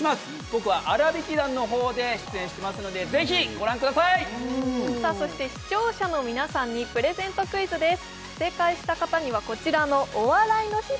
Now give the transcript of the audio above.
僕は「あらびき団」の方で出演してますのでぜひご覧ください！そして視聴者の皆さんにプレゼントクイズです正解した方にはこちらの「お笑いの日」